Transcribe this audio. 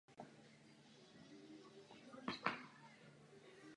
Všichni poslanci nesou politickou zodpovědnost za svá rozhodnutí a postoje.